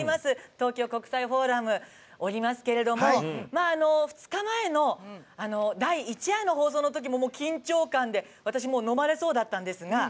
東京国際フォーラムおりますけれども２日前の第１夜の放送のときも緊張感で、私のまれそうだったんですが。